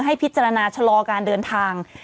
ให้พิจารณาชะลอการเดินทาง